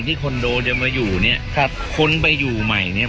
คอนโดจะมาอยู่เนี้ยครับคนไปอยู่ใหม่เนี้ย